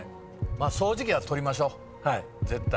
掃除機は取りましょう絶対。